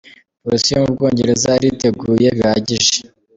Polisi yo mu Bwongereza iriteguye bihagije.